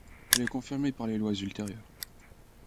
Elle est confirmée par les lois ultérieures.